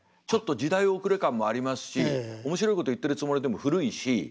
ちょっと時代遅れ感もありますし面白いこと言ってるつもりでも古いし。